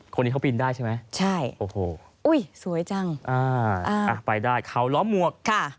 คนนี้เขาบินได้ใช่ไหมใช่โอ้โหอุ้ยสวยจังอ่าอ่ะไปได้เขาล้อมหมวกค่ะ